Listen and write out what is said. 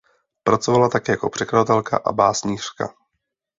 Pracovala také jako překladatelka a básnířka.